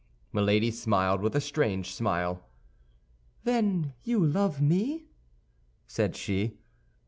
Milady smiled with a strange smile. "Then you love me?" said she.